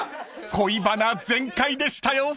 ［恋バナ全開でしたよ！］